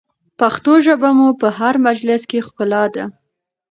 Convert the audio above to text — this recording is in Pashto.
پښتو ژبه مو په هر مجلس کې ښکلا ده.